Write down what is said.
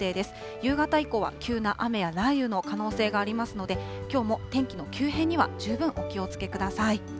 夕方以降は急な雨や雷雨の可能性がありますので、きょうも天気の急変には十分お気をつけください。